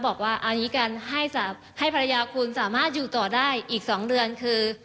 บอกว่าเอาอย่างนี้กันให้ภรรยาคุณสามารถอยู่ต่อได้อีก๒เดือนคือ